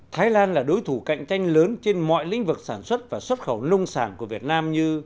thái lan là đối thủ cạnh tranh lớn trên mọi lĩnh vực sản xuất và xuất khẩu nông sản của việt nam như